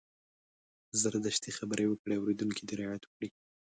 زشتې خبرې وکړي اورېدونکی دې رعايت وکړي.